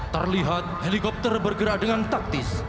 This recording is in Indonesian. terlihat helikopter bergerak dengan taktis